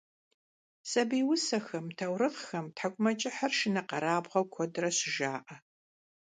Сабий усэхэм, таурыхъхэм тхьэкIумэкIыхьыр шынэкъэрабгъэу куэдрэ щыжаIэ.